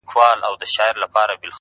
لوړ فکر کوچني خنډونه کمزوري کوي,